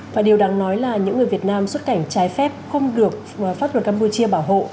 và điều đáng nói là những người việt nam xuất cảnh trái phép không được pháp luật campuchia bảo hộ